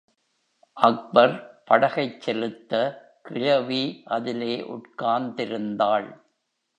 அக்பர் படகைச் செலுத்த, கிழவி அதிலே உட்கார்ந்திருந்தாள்.